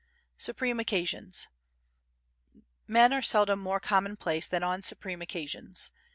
Supreme Occasions Men are seldom more commonplace than on supreme occasions.